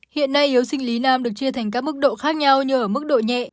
hiện nay yếu sinh lý nam được chia thành các mức độ khác nhau như ở mức độ nhẹ